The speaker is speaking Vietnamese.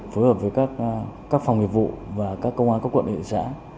phối hợp với các phòng nghiệp vụ và các công an các quận huyện xã